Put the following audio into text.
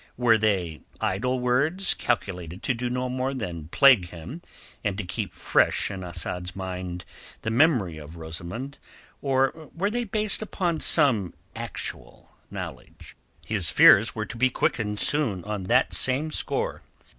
Were they idle words calculated to do no more than plague him, and to keep fresh in Asad's mind the memory of Rosamund, or were they based upon some actual knowledge? His fears were to be quickened soon on that same score.